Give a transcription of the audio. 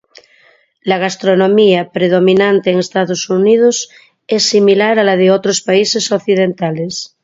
La gastronomía predominante en Estados Unidos es similar a la de otros países occidentales.